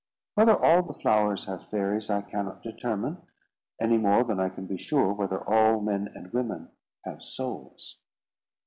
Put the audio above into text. Whether all the flowers have fairies, I cannot determine, any more than I can be sure whether all men and women have souls.